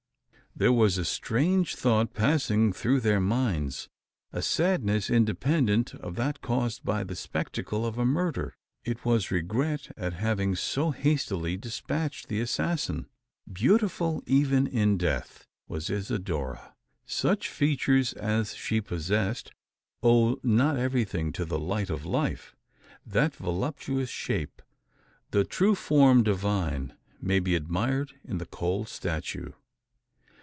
There was a strange thought passing through their minds; a sadness independent of that caused by the spectacle of a murder. It was regret at having so hastily despatched the assassin! Beautiful, even in death, was Isidora. Such features as she possessed, owe not everything to the light of life. That voluptuous shape the true form divine may be admired in the cold statue.